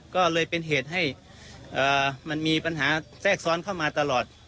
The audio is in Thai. ก็เลยเป็นเหตุให้มันมีปัญหาแทรกซ้อนเข้ามาตลอด